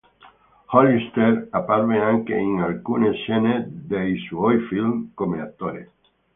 Hollister apparve anche in alcune scene dei suoi film come attore.